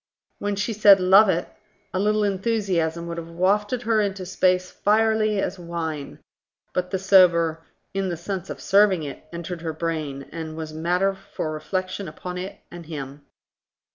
When she said, "Love it?" a little enthusiasm would have wafted her into space fierily as wine; but the sober, "In the sense of serving it", entered her brain, and was matter for reflection upon it and him.